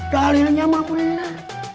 dalilnya mah benar